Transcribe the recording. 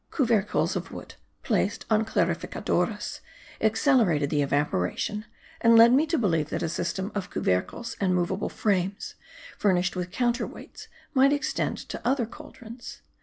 Cuvercles of wood, placed on clarificadoras, accelerated the evaporation, and led me to believe that a system of cuvercles and moveable frames, furnished with counter weights, might extend to other cauldrons.